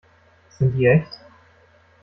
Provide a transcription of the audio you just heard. Sind die echt?